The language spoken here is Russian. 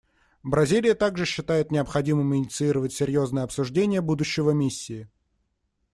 Бразилия также считает необходимым инициировать серьезное обсуждение будущего Миссии.